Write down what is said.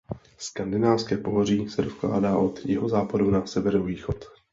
Skandinávské pohoří se rozkládá od jihozápadu na severovýchod.